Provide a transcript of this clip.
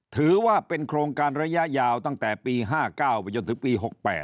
ถือว่าเป็นโครงการระยะยาวตั้งแต่ปี๕๙ไปจนถึงปี๖๘